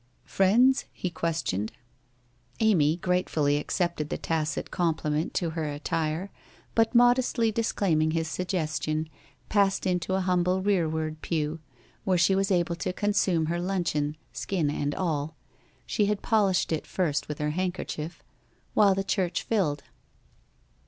' Friends ?' he questioned. Amy gratefully accepted the tacit compliment to her attire, but modestly disclaiming his suggestion, passed into a humble rearward pew, where she was able to con sume her luncheon — skin and all — she had polished it first with her handkerchief — while the church filled.